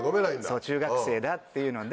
そう中学生だっていうので。